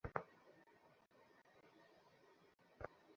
মরী, রাওলপিণ্ডি ও শিয়ালকোট হইতে কিছু পাইয়াছ কিনা লিখিবে।